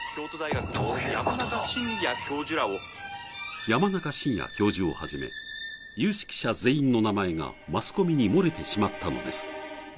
山中伸弥教授をはじめ有識者全員の名前がマスコミに漏れてしまったのです